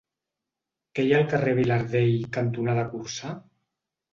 Què hi ha al carrer Vilardell cantonada Corçà?